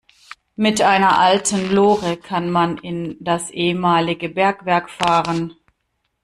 Mit einer alten Lore kann man in das ehemalige Bergwerk fahren.